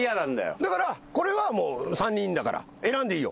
だからこれはもう３人いるんだから選んでいいよ